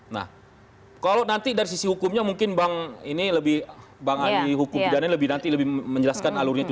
nah kalau nanti dari sisi hukumnya mungkin bang ani hukum bidananya lebih nanti lebih menjelaskan alurnya itu